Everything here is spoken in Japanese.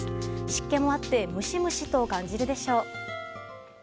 湿気もあってムシムシと感じるでしょう。